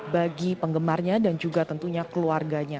bagi penggemarnya dan juga tentunya keluarganya